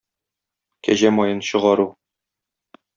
Кәҗә маен чыгару.